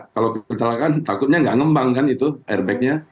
kalau kecelakaan takutnya nggak ngembang kan itu airbag nya